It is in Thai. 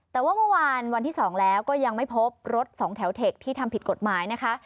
แต่ว่าเมื่อวานวันที่๒แล้วก็ยังไม่พบรถสองแถวเทคที่ทำผิดกฎหมายนะคะ